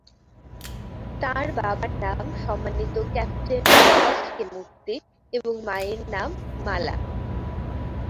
তাঁর বাবার নাম সম্মানিত ক্যাপ্টেন এস কে মুর্তি এবং মায়ের নাম মালা।